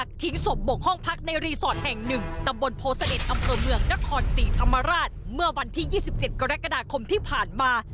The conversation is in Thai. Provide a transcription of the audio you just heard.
คอนศรีอำมาราชเมื่อวันที่๒๗กรกฎาคมที่ผ่านมา